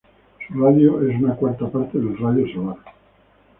Su radio es una cuarta parte del radio solar.